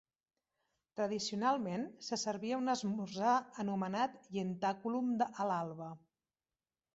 Tradicionalment, se servia un esmorzar anomenat ientaculum a l'alba.